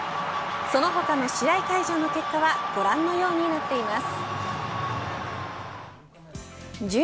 その他の試合会場の結果はご覧のようになっています。